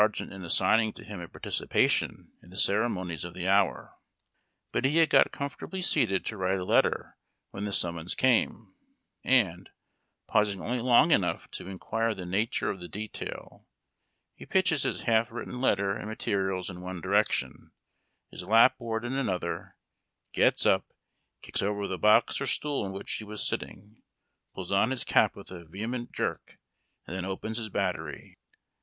geant in assigning to liim a participation in the ceremonies of the hour ; but he had got comfortably seated to write a let ter when the summons came, and, pausing only long enough to inquire the nature of the detail, he pitches his half writ ten letter and materials in one dii'ection, his lai>board in an other, gets up, kicks over the box or stool on which he was sitting, pulls on his cap with a vehement jerk, and then opens his battery.